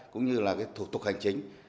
cũng như là thủ tục hành chính